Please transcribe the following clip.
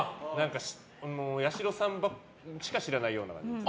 八代さんしか知らないような。×。